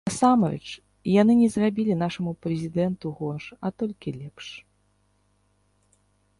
Насамрэч, яны не зрабілі нашаму прэзідэнту горш, а толькі лепш.